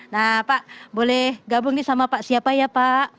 nah pak boleh gabung nih sama pak siapa ya pak